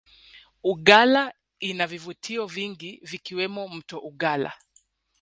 uggala inavivutio vingi vikiwemo mto ugalla